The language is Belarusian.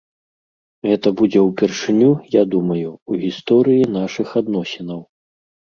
Гэта будзе ўпершыню, я думаю, у гісторыі нашых адносінаў.